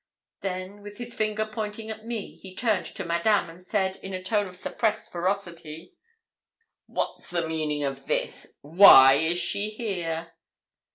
Then, with his finger pointing at me, he turned to Madame, and said, in a tone of suppressed ferocity 'What's the meaning of this? why is she here?'